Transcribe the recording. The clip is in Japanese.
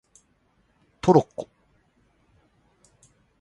トロッコ